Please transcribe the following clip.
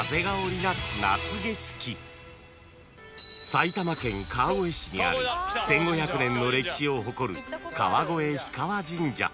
［埼玉県川越市にある１，５００年の歴史を誇る川越氷川神社］